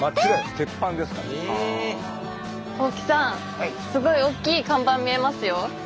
すごい大きい看板見えますよ。